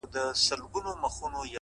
• او ستا د ښكلي شاعرۍ په خاطر؛